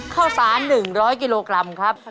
ข้าวสาร๑๐๐กิโลกรัมครับ